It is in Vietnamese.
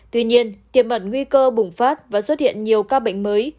tuy nhiên tiềm ẩn nguy cơ bùng phát và xuất hiện nhiều ca bệnh mới